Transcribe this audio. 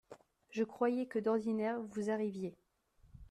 Je croyais que d’ordinaire, vous arriviez.